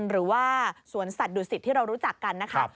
หรือว่าสวนสัตว์ดุสิตที่เรารู้จักกันนะคะ